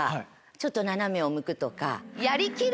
ちょっと斜めを向くとか。